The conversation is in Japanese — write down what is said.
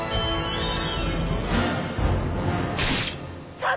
さあ